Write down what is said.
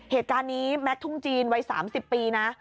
เหตุการณ์นี้แม็กต์ทุ่งจีนวัยสามสิบปีนะ